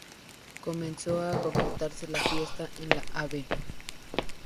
Comenzó a concretarse la fiesta en la Av.